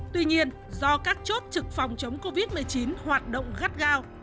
tuy nhiên do các chốt trực phòng chống covid một mươi chín hoạt động gắt gao